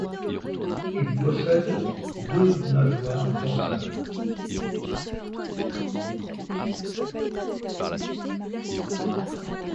Il possède deux nageoires dorsales.